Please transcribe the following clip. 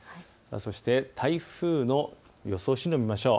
そして台風の予想進路を見ましょう。